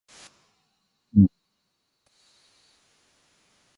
もみの木がある